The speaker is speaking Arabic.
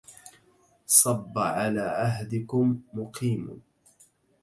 صب على عهدكم مقيم